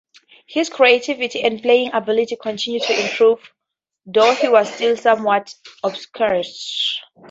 His creativity and playing ability continued to improve, though he was still somewhat obscure.